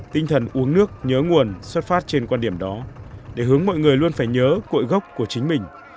tinh thần uống nước nhớ nguồn xuất phát trên quan điểm đó để hướng mọi người luôn phải nhớ cội gốc của chính mình